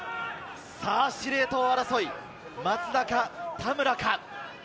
司令塔争い、松田か、田村か。